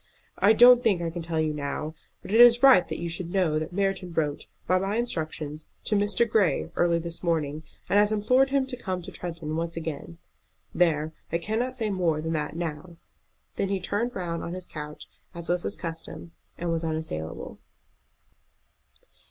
"I don't think I can tell you now. But it is right that you should know that Merton wrote, by my instructions, to Mr. Grey early this morning, and has implored him to come to Tretton once again. There! I cannot say more than that now." Then he turned round on his couch, as was his custom, and was unassailable.